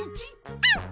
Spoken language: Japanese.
うん！